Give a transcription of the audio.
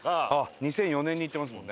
２００４年にいってますもんね。